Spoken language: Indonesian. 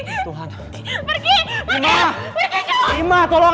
ia sudah bakal lihat